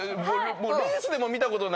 レースでも見たことないですよ。